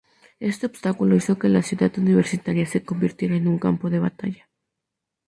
Este obstáculo hizo que la Ciudad Universitaria se convirtiera en un campo de batalla.